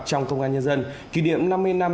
trong công an nhân dân kỷ niệm năm mươi năm